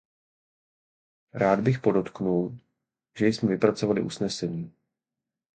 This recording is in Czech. Rád bych podotknul, že jsme vypracovali usnesení.